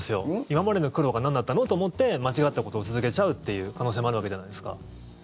今までの苦労がなんだったのと思って間違ったことを続けちゃうという可能性もあるわけじゃないですか。